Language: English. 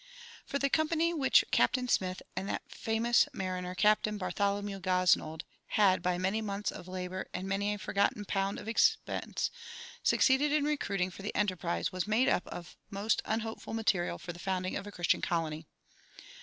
For the company which Captain Smith and that famous mariner, Captain Bartholomew Gosnold, had by many months of labor and "many a forgotten pound" of expense succeeded in recruiting for the enterprise was made up of most unhopeful material for the founding of a Christian colony.